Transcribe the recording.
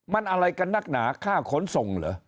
มันอะไรกันนักหนาค่าขนส่งเหรอ